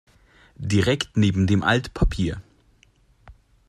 Direkt neben dem Altpapier.